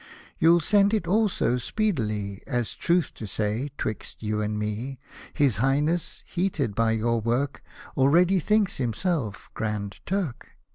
You'll send it also speedily — As, truth to say, 'twixt you and me. His Highness, heated by your work, Already thinks himself Grand Turk